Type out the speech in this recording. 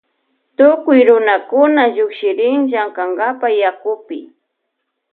Tukuy runakuna llukshirin llankankapa yakupi.